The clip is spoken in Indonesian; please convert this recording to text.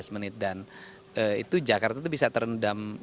lima belas menit dan itu jakarta itu bisa terendam